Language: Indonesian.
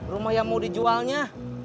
rumah yang mau dijualnya